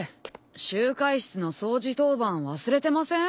集会室の掃除当番忘れてません？